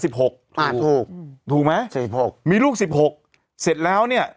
ถูกถูกถูกไหม๑๖มีลูก๑๖เสร็จแล้วเนี่ย